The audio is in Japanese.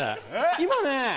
今ね